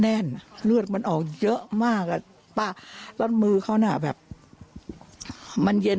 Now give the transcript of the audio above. แน่นเลือดมันออกเยอะมากอ่ะป้าแล้วมือเขาน่ะแบบมันเย็น